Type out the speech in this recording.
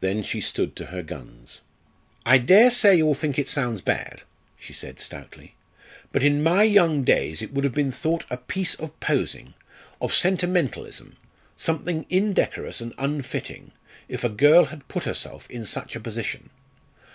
Then she stood to her guns. "I dare say you'll think it sounds bad," she said stoutly; "but in my young days it would have been thought a piece of posing of sentimentalism something indecorous and unfitting if a girl had put herself in such a position.